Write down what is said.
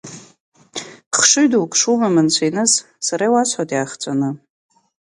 Хшыҩ дук шумам Анцәа иныс, сара иуасҳәоит иаахҵәаны.